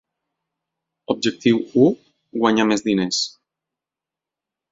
Objectiu u, guanyar més diners.